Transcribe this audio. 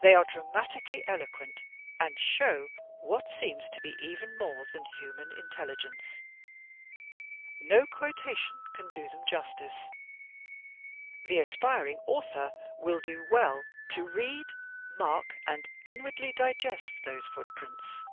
They are dramatically eloquent and show what seems to be even more than human intelligence. No quotation can do them FOOTPRINTS AND FINGERPRINTS l8l justice. The aspiring author will do well to read, mark and inwardly digest those footprints.